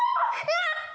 やった！